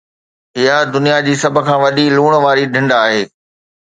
اها دنيا جي سڀ کان وڏي لوڻ واري ڍنڍ آهي